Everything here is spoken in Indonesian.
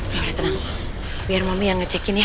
loh udah tenang biar mami yang ngecek ini ya